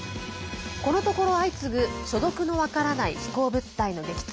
このところ相次ぐ所属の分からない飛行物体の撃墜。